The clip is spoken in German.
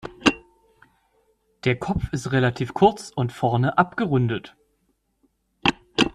Der Kopf ist relativ kurz und vorne abgerundet.